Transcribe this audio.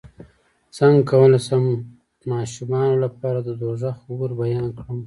څنګه کولی شم د ماشومانو لپاره د دوزخ اور بیان کړم